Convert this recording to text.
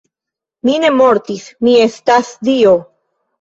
Mi ne mortis, mi estas dio.